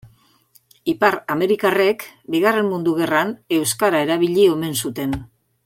Ipar-amerikarrek Bigarren Mundu Gerran euskara erabili omen zuten.